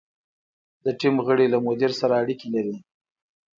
د ټیم غړي له مدیر سره اړیکې لري.